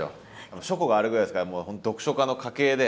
書庫があるぐらいですから読書家の家系で。